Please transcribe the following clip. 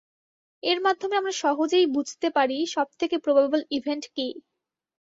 এর মাধ্যমে আমরা সহজেই বুঝতে পারি সবথেকে প্রবাবল ইভেন্ট কি?